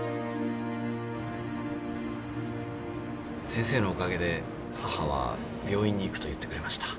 先生のおかげで母は病院に行くと言ってくれました。